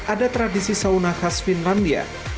ada tradisi sauna khas finlandia